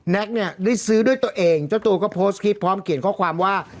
็กเนี่ยได้ซื้อด้วยตัวเองเจ้าตัวก็โพสต์คลิปพร้อมเขียนข้อความว่า